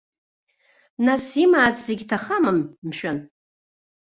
Нас имаац зегьы ҭахама, мшәан?